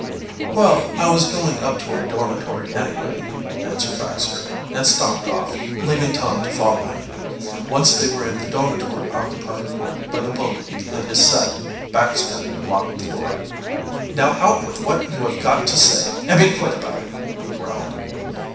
"Well, I was going up to our dormitory anyway," answered Baxter, and stalked off, leaving Tom to follow him. Once they were in the dormitory occupied by the bully and his set, Baxter locked the door. "Now out with what you have got to say, and be quick about it," he growled.